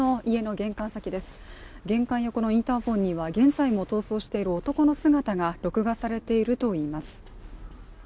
玄関横のインターフォンには現在も逃走している男の姿が録画されているといいます。